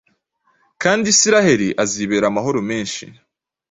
kandi Isirayeli azibera amahoro menshi;